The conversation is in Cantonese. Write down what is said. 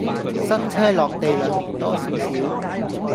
新車落地兩年多少少